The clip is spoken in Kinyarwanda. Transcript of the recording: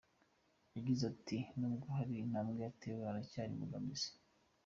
Yagize ati “Nubwo hari intambwe yatewe, haracyari imbogamizi.